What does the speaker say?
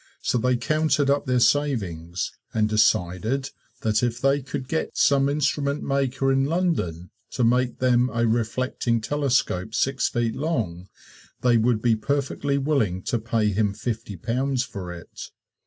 So they counted up their savings and decided that if they could get some instrument maker in London to make them a reflecting telescope six feet long, they would be perfectly willing to pay him fifty pounds for it.